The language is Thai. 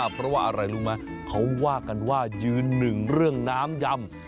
เพราะว่าอะไรรู้ไหมเขาว่ากันว่ายืนหนึ่งเรื่องน้ำยำ